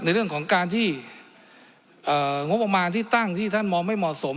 ในเรื่องของการที่งบประมาณที่ตั้งที่ท่านมองไม่เหมาะสม